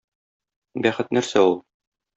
Бәхет нәрсә ул?